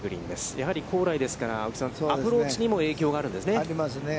やはり高麗ですから、青木さん、アプローチにも影響があるんですね。ありますね。